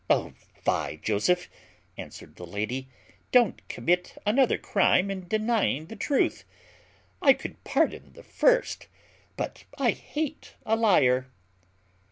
"Oh fie! Joseph," answered the lady, "don't commit another crime in denying the truth. I could pardon the first; but I hate a lyar."